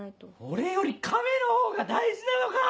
俺よりカメのほうが大事なのか！